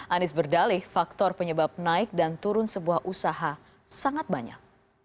anies berdalih faktor penyebab naik dan turun sebuah usaha sangat banyak